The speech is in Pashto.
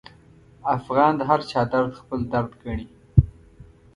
افغان د هرچا درد خپل درد ګڼي.